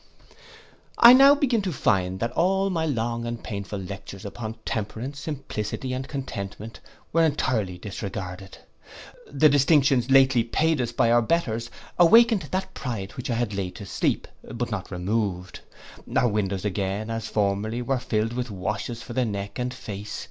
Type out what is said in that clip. I now began to find that all my long and painful lectures upon temperance, simplicity, and contentment, were entirely disregarded. The distinctions lately paid us by our betters awaked that pride which I had laid asleep, but not removed. Our windows again, as formerly, were filled with washes for the neck and face.